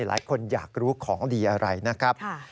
หลายคนอยากรู้ของดีอะไรนะครับ